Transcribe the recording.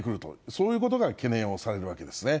そういうことが懸念をされるわけですね。